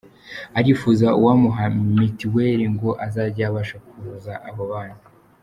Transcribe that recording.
Arifuza uwamuha mitiweri ngo azajye abasha kuvuza abo bana.